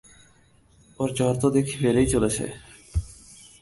ওর জ্বর তো দেখছি বেড়েই চলেছে।